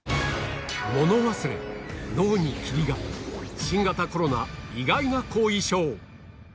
物忘れ、脳に霧が、新型コロナ、意外な後遺症。